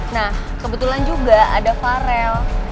nah kebetulan juga ada farel